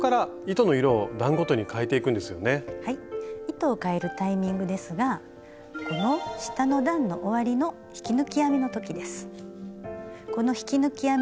糸をかえるタイミングですがこの下の段の終わりの引き抜き編みの時です。